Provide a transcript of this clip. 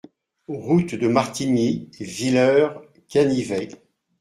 Route de Martigny, Villers-Canivet